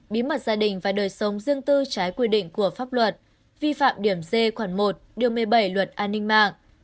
bí mật gia đình và đời sống riêng tư trái quy định của pháp luật vi phạm điểm d khoản một điều một mươi bảy luật an ninh mạng